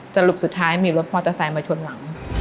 สรุปสุดท้ายมีรถมอเตอร์ไซค์มาชนหลัง